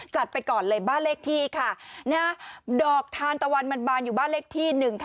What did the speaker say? ไปก่อนเลยบ้านเลขที่ค่ะดอกทานตะวันมันบานอยู่บ้านเลขที่๑๕